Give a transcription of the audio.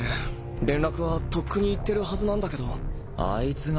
連絡はとっくに行ってるはずなんだけど。